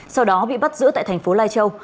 sau đó bị bắt giữ tại thành phố lai châu